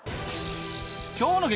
今日の激